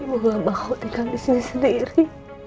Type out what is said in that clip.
ibu gak bakal tinggal di sini sendiri